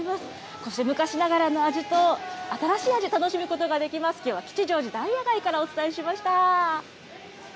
こうして昔ながらの味と、新しい味、楽しむことができます、きょうは吉祥寺ダイヤ街からお伝えしました。